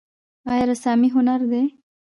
آیا رسامي هنر دی؟